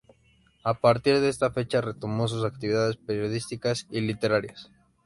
A partir de esa fecha retomó sus actividades periodísticas y literarias.